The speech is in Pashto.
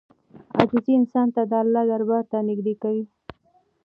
عاجزي انسان د الله دربار ته نږدې کوي.